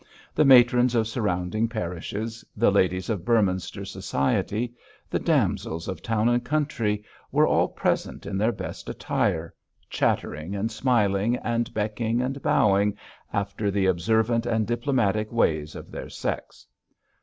The matrons of surrounding parishes, the ladies of Beorminster society, the damsels of town and country, were all present in their best attire, chattering and smiling, and becking and bowing, after the observant and diplomatic ways of their sex.